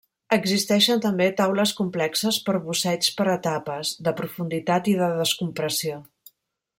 Existeixen també taules complexes per busseig per etapes, de profunditat i de descompressió.